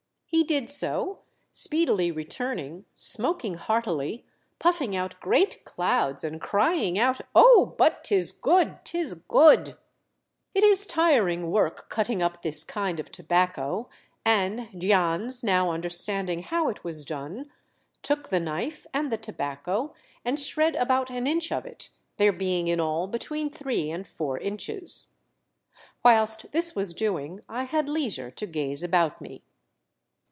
He did so, speedily re turning, smoking heartily, puffing out great clouds, and crying out, "Oh, but 'tis good! 'tis good !" It is tiring work cutting up this kind of tobacco, and Jans now understanding how it was done, took the knife and the tobacco and shred about an inch of it, there being in all between three and four inches. Whilst this was doing I had leisure to gaze about me.